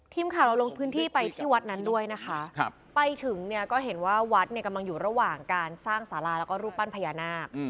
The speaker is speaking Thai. ทีมข่าวเราลงพื้นที่ไปที่วัดนั้นด้วยนะคะไปถึงเนี่ยก็เห็นว่าวัดเนี่ยกำลังอยู่ระหว่างการสร้างสาราแล้วก็รูปปั้นพญานาค